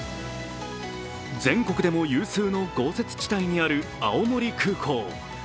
全国でも有数の豪雪地帯にある青森空港。